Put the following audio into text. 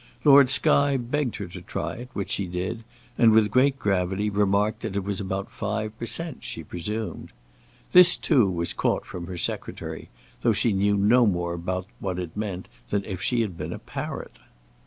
Lord Skye begged her to try it, which she did, and with great gravity remarked that it was about five per cent. she presumed. This, too, was caught from her Secretary, though she knew no more what it meant than if she had been a parrot.